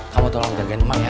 kamu tolong jagain emang ya